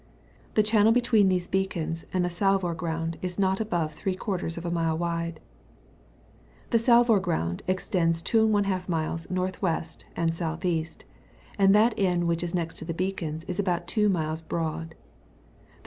The channel between those beacons and the Salvor Ground is not above three quarters of a mile wide. Salvor Ground extends 2^ miles N.W. and S.E., and that end which is next to the beacons is about 2 miles broad : the N.W.